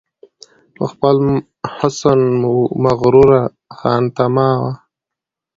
په خپل حسن وه مغروره خانتما وه